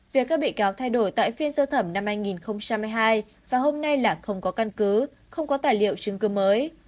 việc các bị cáo thay đổi tại phiên sơ thẩm năm hai nghìn hai mươi hai và hôm nay là không có căn cứ không có tài liệu chứng cứ mới